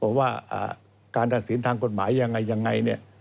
ว่าการตัดสินทางกฎหมายยังไงยังไงเนี่ย